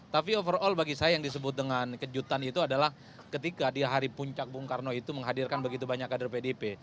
tapi overall bagi saya yang disebut dengan kejutan itu adalah ketika di hari puncak bung karno itu menghadirkan begitu banyak kader pdip